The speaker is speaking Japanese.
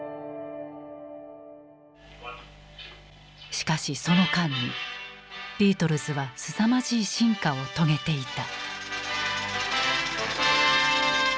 しかしその間にビートルズはすさまじい進化を遂げていた。